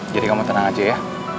jadi kamu tenang aja ya